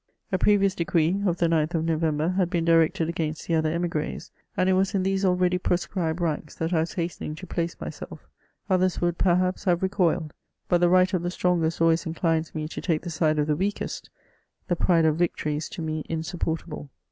A previous decree, of the 9ih of November, bad been directed against the other emigres ; and it was in these already proscribed ranks that I was hastening to place myself ; others would, per haps, have recoiled ; but the right of the strongest always in clines me to take the side of the weakest ; the pride of victory is to me insupportable.